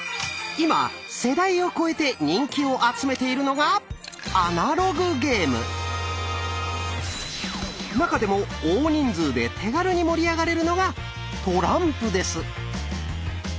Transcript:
今世代を超えて人気を集めているのが中でも大人数で手軽に盛り上がれるのがトランプです。